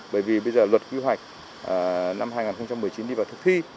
bởi vì bây giờ luật kỳ hoạch năm hai nghìn một mươi chín đi vào thức thi